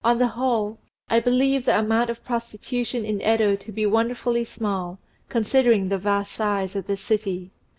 On the whole, I believe the amount of prostitution in Yedo to be wonderfully small, considering the vast size of the city.